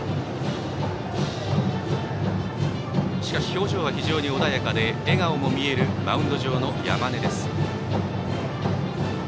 表情は非常に穏やかで笑顔も見えるマウンド上の山根です。